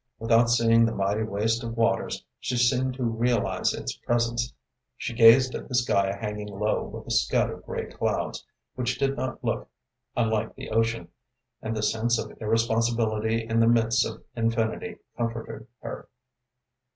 Without seeing the mighty waste of waters, she seemed to realize its presence; she gazed at the sky hanging low with a scud of gray clouds, which did not look unlike the ocean, and the sense of irresponsibility in the midst of infinity comforted her.